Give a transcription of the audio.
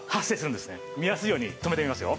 見やすいように止めてみますよ。